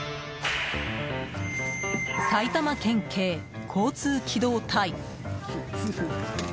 埼玉県警交通機動隊。